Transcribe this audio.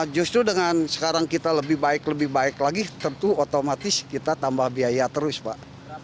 justru dengan sekarang kita lebih baik lebih baik lagi tentu otomatis kita tambah biaya terus pak